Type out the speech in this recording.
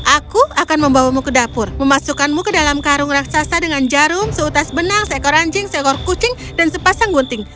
aku akan membawamu ke dapur memasukkanmu ke dalam karung raksasa dengan jarum seutas benang seekor anjing seekor kucing dan sepasang gunting